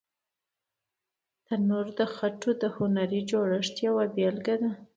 تنور د خټو د هنري جوړښت یوه بېلګه ده